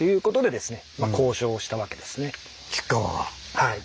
はい。